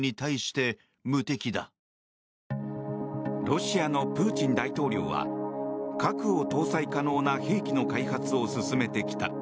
ロシアのプーチン大統領は核を搭載可能な兵器の開発を進めてきた。